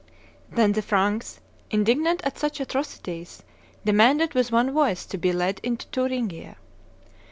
Then the Franks, indignant at such atrocities, demanded with one voice to be led into Thuringia.